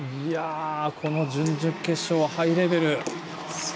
この準々決勝はハイレベル。